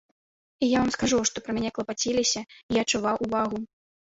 І я вам скажу, што пра мяне клапаціліся і я адчуваў увагу.